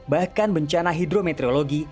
bahkan bencana hidrometeorologi